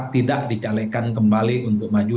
tidak dicalekan kembali untuk maju